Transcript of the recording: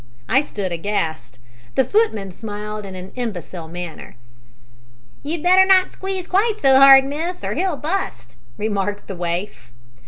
I stood aghast. The footman smiled in an imbecile manner. "You'd better not squeeze quite so hard, miss, or he'll bust!" remarked the waif.